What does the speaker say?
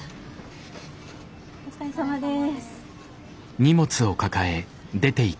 お疲れさまです。